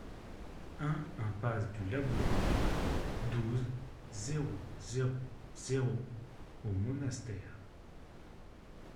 un impasse du Laboureur, douze, zéro zéro zéro au Monastère